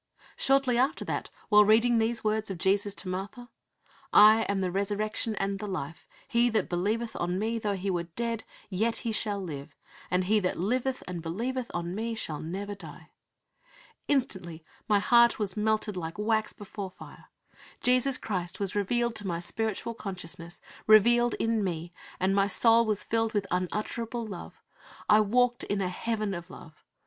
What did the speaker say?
Shortly after that, while reading these words of Jesus to Martha: "I am the resurrection and the life; he that believeth on Me, though he were dead, yet shall he live; and he that liveth and believeth on Me shall never die," instantly my heart was melted like wax before fire; Jesus Christ was revealed to my spiritual consciousness, revealed in me, and my soul was filled with unutterable love. I walked in a heaven of love.